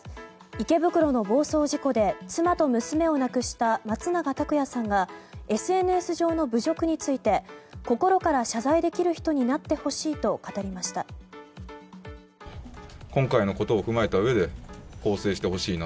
池袋の暴走事故で妻と娘を亡くした松永拓也さんがＳＮＳ上の侮辱について、心から謝罪できる人になってほしいと語りました。